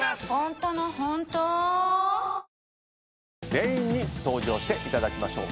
全員に登場していただきましょう。